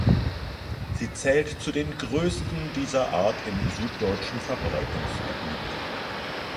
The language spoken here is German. Sie zählt zu den größten dieser Art im süddeutschen Verbreitungsgebiet.